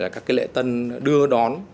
các cái lễ tân đưa đón